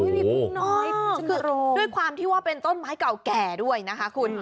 น้อยด้วยความที่ว่าเป็นต้นไม้เก่าแก่ด้วยนะคะคุณ